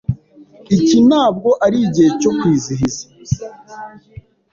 Iki ntabwo arigihe cyo kwizihiza.